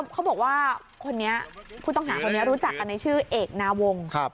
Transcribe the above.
เขาบอกว่าคนนี้ผู้ต้องหาคนนี้รู้จักกันในชื่อเอกนาวงศ์